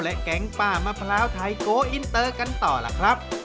แก๊งป้ามะพร้าวไทยโกอินเตอร์กันต่อล่ะครับ